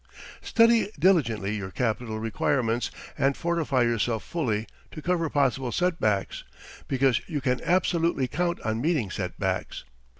Study diligently your capital requirements, and fortify yourself fully to cover possible set backs, because you can absolutely count on meeting set backs.